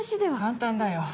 簡単だよ。